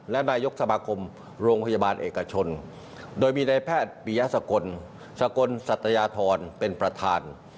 และนายกสมาคมโรงพยาบาลเอกชนโดยมีนายแพทย์ปียสกลสกลสัตยาธรเป็นประธาน